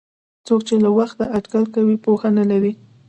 څوک چې له وخته اټکل کوي پوهه نه لري.